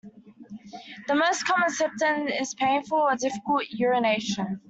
The most common symptom is painful or difficult urination.